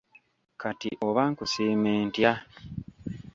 Kati oba nkusiime ntya?